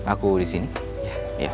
aku di sini